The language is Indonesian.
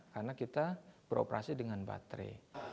karena kita beroperasi dengan baterai